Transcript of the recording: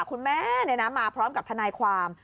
คุณแม่มาพร้อมกับทนายความ